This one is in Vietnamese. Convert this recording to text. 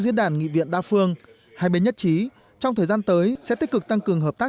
diễn đàn nghị viện đa phương hai bên nhất trí trong thời gian tới sẽ tích cực tăng cường hợp tác